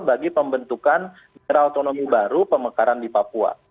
bagi pembentukan daerah otonomi baru pemekaran di papua